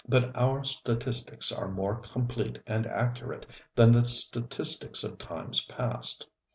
But our statistics are more complete and accurate than the statistics of times past.